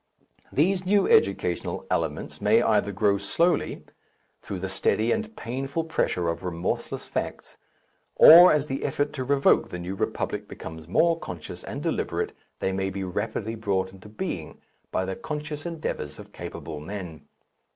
These new educational elements may either grow slowly through the steady and painful pressure of remorseless facts, or, as the effort to evoke the New Republic becomes more conscious and deliberate, they may be rapidly brought into being by the conscious endeavours of capable men.